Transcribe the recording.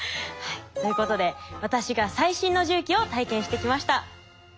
ということで私が最新の重機を体験してきました。